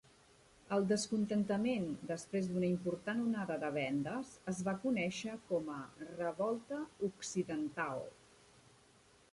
El descontentament després d'una important onada de vendes es va conèixer com a Revolta Occidental.